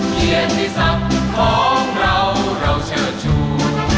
เยี่ยมที่ทรัพย์ของเราเราเชิญชู